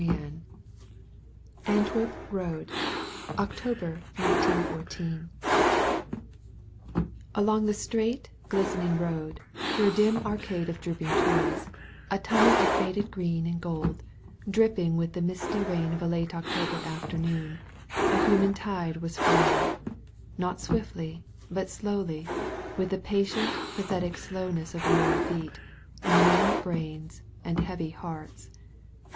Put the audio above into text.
14 ANTWERP ROAD ANTWERP ROAD [OCTOBER, lOH] Along the straight, gUstenmg road, through a dim arcade of drooping trees, a tunnel of faded green and gold, dripping with the nusty rain of a late October afternoon, a human tide was flowing, not swiftly, but slowly, with the patient, pathetic slowness of weary feet, and numb brains, and heavy hearts.